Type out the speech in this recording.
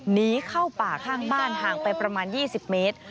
หนีเข้าป่าข้างบ้านห่างไปประมาณ๒๐เมตร